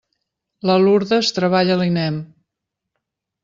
La Lurdes treballa a l'INEM.